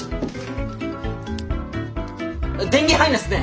電源入んないっすね。